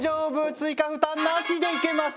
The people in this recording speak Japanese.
追加負担なしでいけます！